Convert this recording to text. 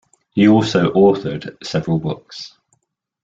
He also authored several books.